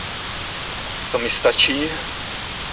To mi stačí.